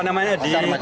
namanya di ngembak geni